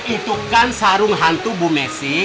itu kan sarung hantu bu messi